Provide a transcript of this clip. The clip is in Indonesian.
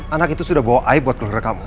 anak itu sudah bawa air buat keluarga kamu